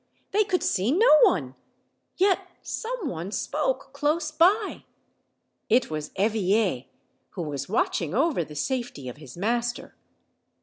They could see no one, yet some one spoke close by. It was Eveille, who was watching over the safety of his master.